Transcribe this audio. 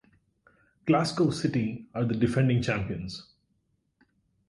Glasgow City are the defending champions.